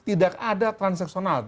tidak ada transaksional